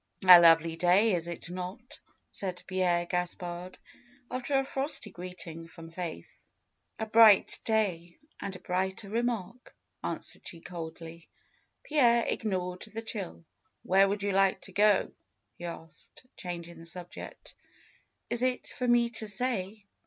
lovely day, is it not?'^ said Pierre Gaspard, after a frosty greeting from Faith. ^^A bright day, and a brighter remark," answered she coldly. Pierre ignored the chill. "Where would you like to go?" he asked, changing the subject. "Is it for me to say?